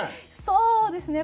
そうですね。